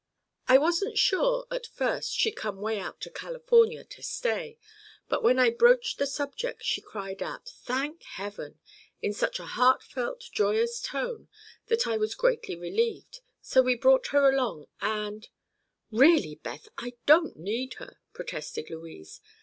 I wasn't sure, at first, she'd come way out to California, to stay, but when I broached the subject she cried out: 'Thank heaven!' in such a heart felt, joyous tone that I was greatly relieved. So we brought her along, and—" "Really, Beth, I don't need her," protested Louise.